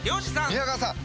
宮川さん